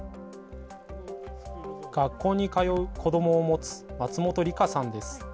学校に通う子どもを持つ松本里香さんです。